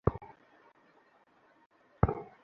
এখন বল, মনে আছে কিনা?